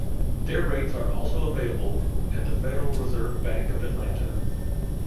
Their rates are also available at the Federal Reserve Bank of Atlanta.